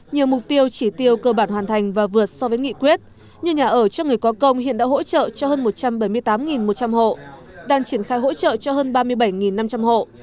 nhiều mục tiêu chỉ tiêu cơ bản hoàn thành và vượt so với nghị quyết như nhà ở cho người có công hiện đã hỗ trợ cho hơn một trăm bảy mươi tám một trăm linh hộ đang triển khai hỗ trợ cho hơn ba mươi bảy năm trăm linh hộ